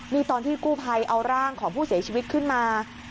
นี่ตอนที่กู้ภัยเอาร่างของผู้เสียชีวิตขึ้นมา